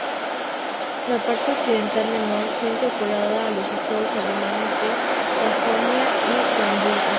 La parte occidental, menor, fue incorporada a los estados alemanes de Sajonia y Brandeburgo.